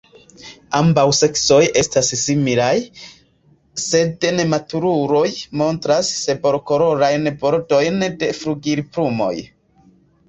Ambaŭ seksoj estas similaj, sed nematuruloj montras sablokolorajn bordojn de flugilplumoj.